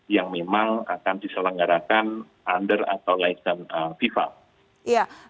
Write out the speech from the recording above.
yang memang akan diselenggarakan under atau licent fifa